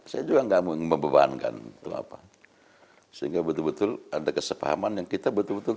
saya juga enggak membebankan untuk apa sehingga betul betul ada kesepahaman yang kita betul betul